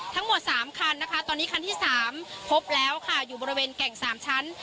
ทั้งหมด๓คันนะคะตอนนี้คันที่๓พบแล้วค่ะอยู่บริเวณแก่ง๓ชั้น